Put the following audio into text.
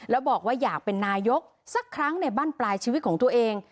แล้วบอกว่าอยากเป็นนายกสักครั้งในบ้านปลายชีวิตของตัวเอง